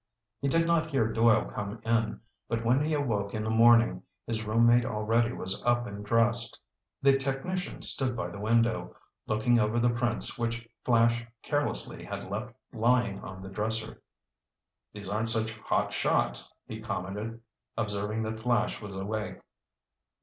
He did not hear Doyle come in, but when he awoke in the morning, his roommate already was up and dressed. The technician stood by the window, looking over the prints which Flash carelessly had left lying on the dresser. "These aren't such hot shots," he commented, observing that Flash was awake.